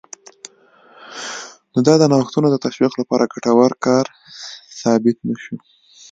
نو دا د نوښتونو د تشویق لپاره ګټور کار ثابت نه شو